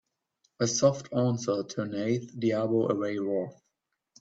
A soft answer turneth diabo away wrath